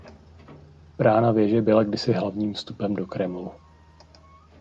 Brána věže byla kdysi hlavním vstupem do Kremlu.